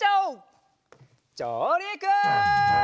じょうりく！